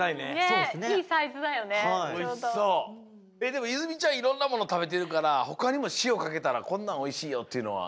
でも泉ちゃんいろんなもの食べてるからほかにも塩かけたらこんなんおいしいよっていうのは？